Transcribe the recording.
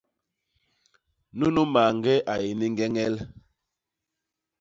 Nunu mañge a yé ni ñgeñel.